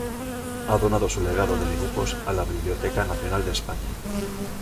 Ha donado su legado de dibujos a la Biblioteca Nacional de España.